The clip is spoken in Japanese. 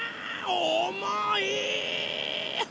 おもい！